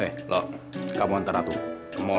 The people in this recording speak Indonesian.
eh lo kamu ntar nanti ke mall